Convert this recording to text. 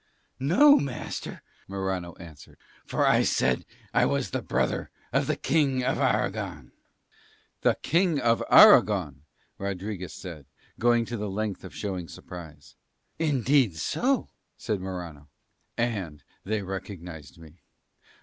"No, master," Morano answered, "for I said that I was the brother of the King of Aragon." "The King of Aragon!" Rodriguez said, going to the length of showing surprise. "Yes, indeed, master." said Morano, "and they recognised me."